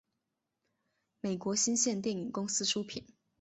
美国新线电影公司出品。